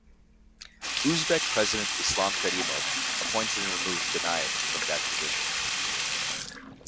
Uzbek President Islam Karimov appointed and removed G'aniev from that position.